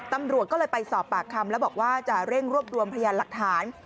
ตำรวจก็เลยไปสอบปากคำแล้วบอกว่าจะเร่งรวบรวมพยานหลักฐาน